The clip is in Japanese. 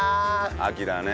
秋だね。